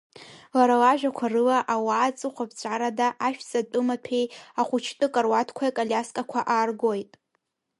Лара лажәақәа рыла, ауаа ҵыхәаԥҵәарада ашәҵатәымаҭәеи, ахәыҷтәы каруаҭқәеи, аколиаскақәа ааргоит.